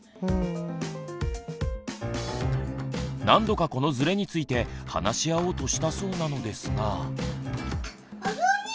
何度かこのズレについて話し合おうとしたそうなのですが。